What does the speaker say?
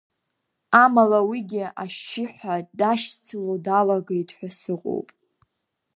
Амала уигьы ашьшьыҳәа дашьцыло далагеит ҳәа сыҟоуп.